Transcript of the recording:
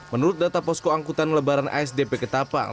menurut data posko angkutan lebaran asdp ketapang